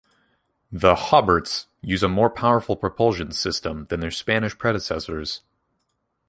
The "Hobart"s use a more powerful propulsion system than their Spanish predecessors.